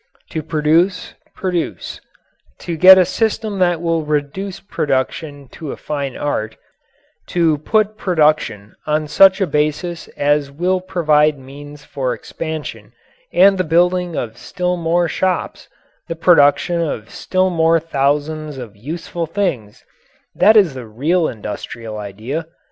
To produce, produce; to get a system that will reduce production to a fine art; to put production on such a basis as will provide means for expansion and the building of still more shops, the production of still more thousands of useful things that is the real industrial idea.